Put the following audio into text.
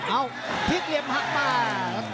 เอ้าพริกเหลี่ยมหักมา